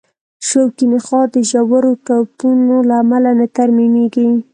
شوکي نخاع د ژورو ټپونو له امله نه ترمیمېږي.